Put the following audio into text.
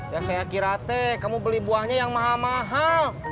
ya saya kirate kamu beli buahnya yang mahal mahal